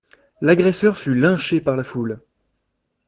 L'agresseur fut lynché par la foule.